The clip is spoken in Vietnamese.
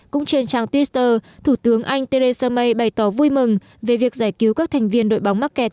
cũng trên trang twitter thủ tướng anh theresa may bày tỏ vui mừng về việc giải cứu các thành viên đội bóng mắc kẹt